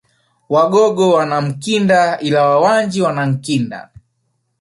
Wagogo wana Mkinda ila Wawanji wana Nkinda